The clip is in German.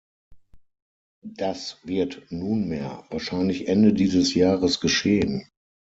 Das wird nunmehr wahrscheinlich Ende dieses Jahres geschehen.